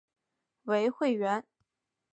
为会员。